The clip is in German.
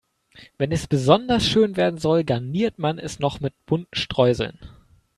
Wenn es besonders schön werden soll, garniert man es noch mit bunten Streuseln.